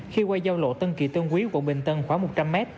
khi quay giao lộ tân kỳ tân quý quận bình tân khoảng một trăm linh m